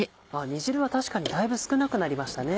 煮汁は確かにだいぶ少なくなりましたね。